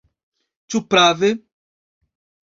Ĉu prave?